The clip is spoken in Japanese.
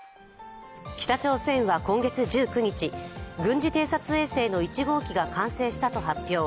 北朝鮮は今月１９日、軍事偵察衛星の１号機が完成したと発表。